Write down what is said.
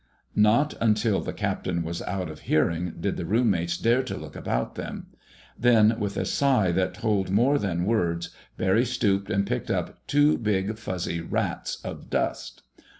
Not until the captain was out of hearing did the roommates dare to look about. Then, with a sigh that told more than words, Barry stooped and picked up two big, fuzzy "rats" of dust.